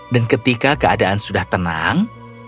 dan ketika keadaan sudah tenang